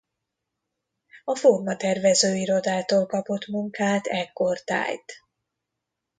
A Formatervező Irodától kapott munkát ekkortájt.